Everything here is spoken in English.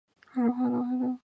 I don't know how I know.